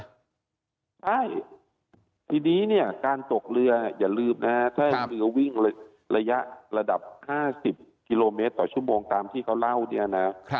ใช่ทีนี้เนี่ยการตกเรืออย่าลืมนะฮะถ้าเรือวิ่งระยะระดับ๕๐กิโลเมตรต่อชั่วโมงตามที่เขาเล่าเนี่ยนะ